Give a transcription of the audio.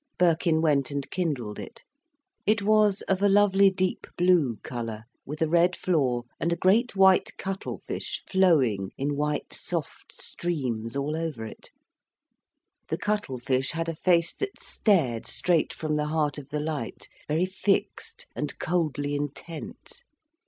Birkin went and kindled it. It was of a lovely deep blue colour, with a red floor, and a great white cuttle fish flowing in white soft streams all over it. The cuttle fish had a face that stared straight from the heart of the light, very fixed and coldly intent.